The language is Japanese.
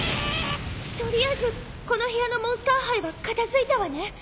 取りあえずこの部屋のモンスター胚は片付いたわね。